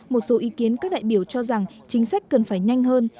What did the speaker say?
một số ý kiến các đại biểu cho rằng chính sách cần phải nhanh hơn